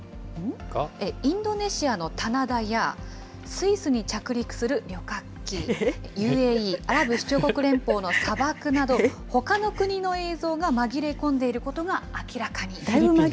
インドネシアの棚田や、スイスに着陸する旅客機、ＵＡＥ・アラブ首長国連邦の砂漠など、ほかの国の映像が紛れ込んでいることが明らかに。